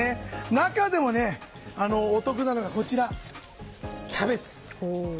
中でもね、お得なのがキャベツ。